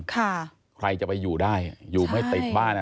ใครจะไปอยู่ได้อยู่ไม่ติดบ้านอ่ะ